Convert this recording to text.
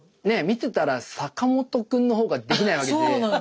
見てたら坂本くんの方ができないわけで。